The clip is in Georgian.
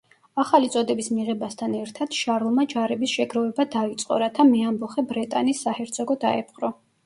ახალი წოდების მიღებასთან ერთად შარლმა ჯარების შეგროვება დაიწყო, რათა მეამბოხე ბრეტანის საჰერცოგო დაეპყრო.